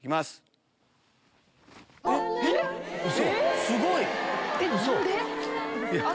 すごい！